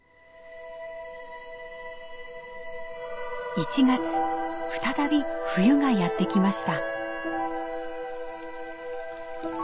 １月再び冬がやって来ました。